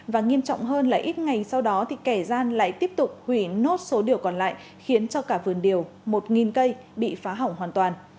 và nghiêm trọng hơn là ít ngày sau đó thì kẻ gian lại tiếp tục hủy nốt số điều còn lại khiến cho cả vườn điều một cây bị phá hỏng hoàn toàn